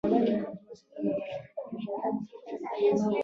له نولس سوه اتلس کال وروسته اروپايي استعمار ډک کړ.